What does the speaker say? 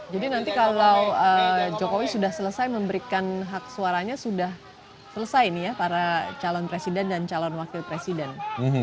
jadi nanti kalau jokowi sudah selesai memberikan hak suaranya sudah selesai ini ya para calon presiden dan calon wakil presiden